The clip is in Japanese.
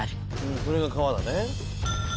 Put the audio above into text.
これが川だね。